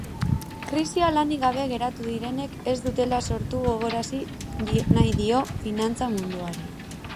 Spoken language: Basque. Krisia lanik gabe geratu direnek ez dutela sortu gogorazi nahi dio finantza munduari.